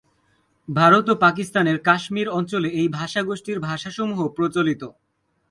ভারত ও পাকিস্তানের কাশ্মীর অঞ্চলে এই ভাষাগোষ্ঠীর ভাষাসমূহ প্রচলিত।